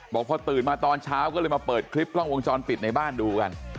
บอกพอตื่นมาตอนเช้าก็เลยมาเปิดคลิปกล้องวงจรปิดในบ้านดูกัน